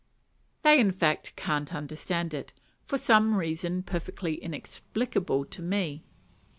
They in fact can't understand it, for some reason perfectly inexplicable to me.